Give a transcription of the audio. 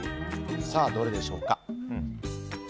さあ、どれでしょうか。